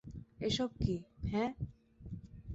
এসব কী, হ্যাঁ?